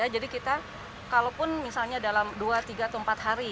jadi kita kalaupun misalnya dalam dua tiga atau empat hari